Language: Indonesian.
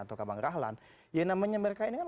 atau kabang rahlan ya namanya mereka ini kan